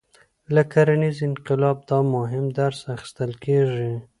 له کرنیز انقلاب دا مهم درس اخیستل کېږي.